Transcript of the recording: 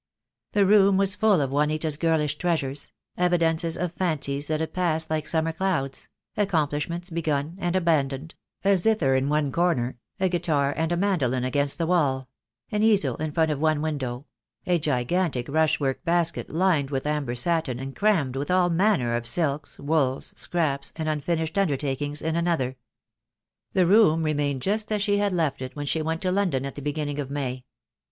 The room was full of Juanita's girlish treasures — evidences of fancies that had passed like summer clouds— accomplishments begun and abandoned — a zither in one corner — a guitar and a mandolin against the wall — an easel in front of one window — a gigantic rush work basket lined with amber satin and crammed with all manner of silks, wools, scraps, and unfinished undertakings in another. The room re mained just as she had left it when she went to London at the beginning of May.